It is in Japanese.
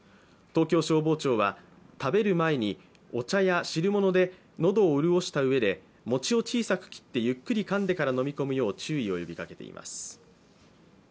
東京消防庁は、食べる前に、お茶や汁物で喉を潤したうえで、餅を小さく切ってゆっくりかんでから飲み込むよう注意を呼びかけています。